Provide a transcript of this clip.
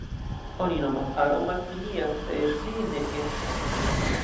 Oni nomas aron malfinia, se ĝi ne estas finia.